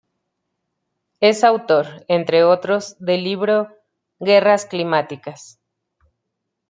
Es autor, entre otros, del libro "Guerras climáticas".